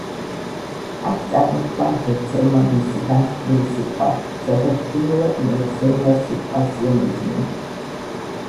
აქ წარმოთქვა ჰერცელმა მისი განთქმული სიტყვა, სადაც პირველად მოიხსენია სიტყვა სიონიზმი.